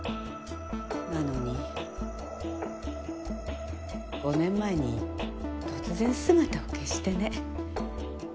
なのに５年前に突然姿を消してね。